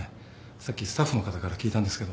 さっきスタッフの方から聞いたんですけど。